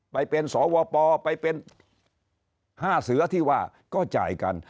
ไปเป็นสวปไปเป็น๕เสือที่ว่าก็จ่ายกัน